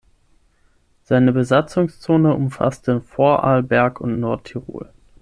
Seine Besatzungszone umfasste Vorarlberg und Nordtirol.